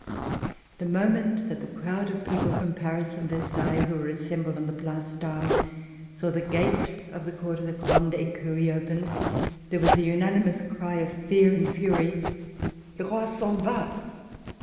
The moment that the crowd of people from Paris and Versailles who were assembled on the Place d'Armes saw the gate of the court of the Grande Ecurie opened, there was a unanimous cry of fear and fury: "Le roi s'en va!"